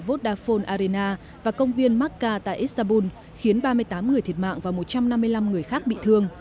vodafone arena và công viên macca tại istanbul khiến ba mươi tám người thiệt mạng và một trăm năm mươi năm người khác bị thương